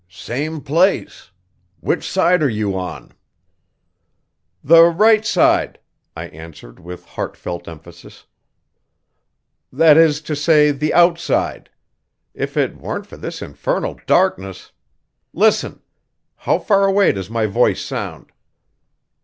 "Same place. Which side are you on?" "The right side," I answered with heartfelt emphasis. "That is to say, the outside. If it weren't for this infernal darkness Listen! How far away does my voice sound?"